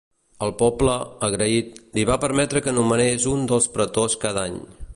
El poble, agraït, li va permetre que nomenés un dels pretors cada any.